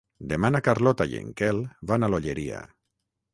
Demà na Carlota i en Quel van a l'Olleria.